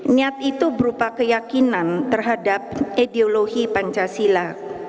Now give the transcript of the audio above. niat itu berupa keyakinan terhadap ideologi pancasila